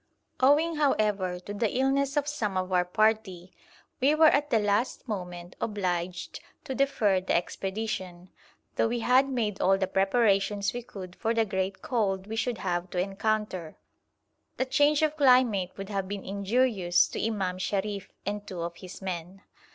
Owing, however, to the illness of some of our party, we were at the last moment obliged to defer the expedition; though we had made all the preparations we could for the great cold we should have to encounter, the change of climate would have been injurious to Imam Sharif and two of his men.